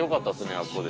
あそこで。